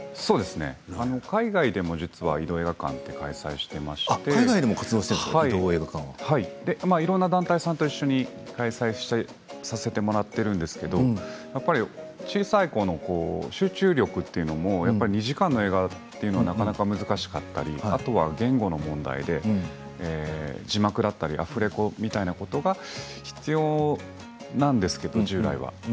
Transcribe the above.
海外でも移動映画館というのは開催していましていろんな団体さんと一緒に開催させてもらっているんですけれどやっぱり小さい子の集中力というのも２時間の映画というのはなかなか難しかったりあとは言語の問題で字幕だったりアフレコみたいなことが必要なんですけど、従来は。